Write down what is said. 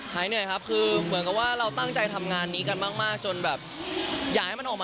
หายเหนื่อย